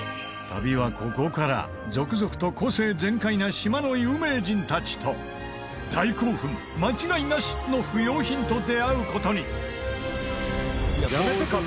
旅はここから続々と個性全開な島の有名人たちと「大興奮」「間違いなし」の不要品と出会う事に。